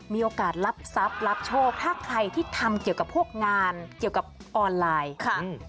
มีโอกาสรับทรัพย์รับโชคถ้าใครที่ทำเกี่ยวกับพวกงานเกี่ยวกับออนไลน์ค่ะ